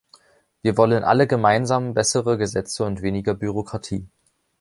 Wir wollen alle gemeinsam bessere Gesetze und weniger Bürokratie.